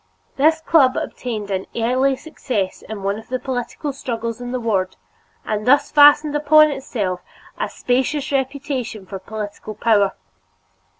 This club obtained an early success in one of the political struggles in the ward and thus fastened upon itself a specious reputation for political power.